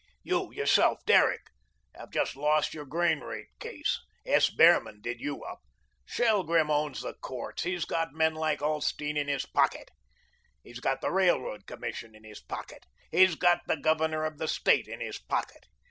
You, yourself, Derrick, have just lost your grain rate case. S. Behrman did you up. Shelgrim owns the courts. He's got men like Ulsteen in his pocket. He's got the Railroad Commission in his pocket. He's got the Governor of the State in his pocket.